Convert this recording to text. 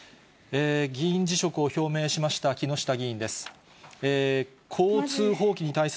議員辞職を表明しました木下議員です。